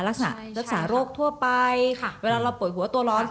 รักษารักษาโรคทั่วไปเวลาเราป่วยหัวตัวร้อน